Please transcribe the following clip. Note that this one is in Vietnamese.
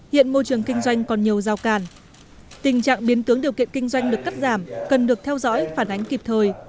hiện môi trường kinh doanh còn nhiều giao càn tình trạng biến tướng điều kiện kinh doanh được cắt giảm cần được theo dõi phản ánh kịp thời